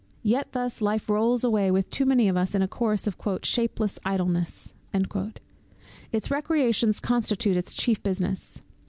Yet thus life rolls away with too many of us in a course of "shapeless idleness." Its recreations constitute its chief business.